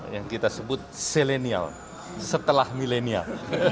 yang kita sebut selenial setelah milenial